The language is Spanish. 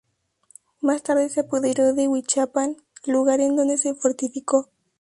Más tarde se apoderó de Huichapan, lugar en donde se fortificó.